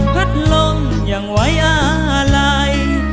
พัดลมอย่างไหว้อาลัย